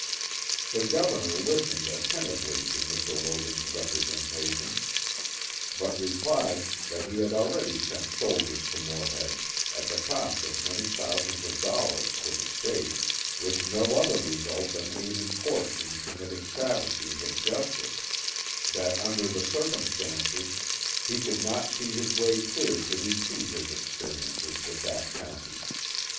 The Governor listened attentively to Mr. Logan's representations, but replied that he had already sent soldiers to Morehead at the cost of many thousands of dollars to the State, with no other result than aiding courts in committing travesties of justice; that under the circumstances he could not see his way clear to repeat his experiences with that county.